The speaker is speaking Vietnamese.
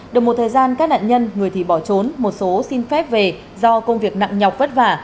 được một thời gian các nạn nhân người thì bỏ trốn một số xin phép về do công việc nặng nhọc vất vả